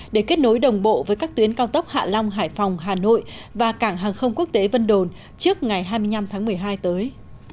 để kết nối đồng bộ với các tuyến cao tốc hạ long hải phòng hà nội và cảng hàng không quốc tế vân đồn trước ngày hai mươi năm tháng một mươi hai tới